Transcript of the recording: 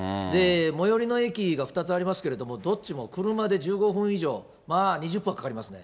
最寄りの駅が２つありますけれども、どっちも車で１５分以上、まあ２０分はかかりますね。